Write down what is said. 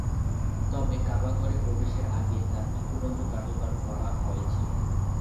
তবে কাবা ঘরে প্রবেশের আগে তার মৃত্যুদন্ড কার্যকর করা হয়েছিল।